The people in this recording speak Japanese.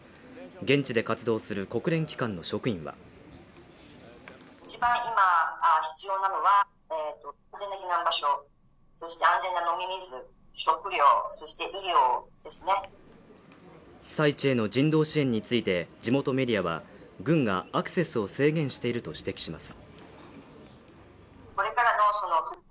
現地で活動する国連機関の職員は被災地への人道支援について、地元メディアは、軍がアクセスを制限していると指摘します。